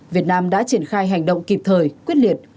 việt nam đã triển khai hành động kịp thời quyết liệt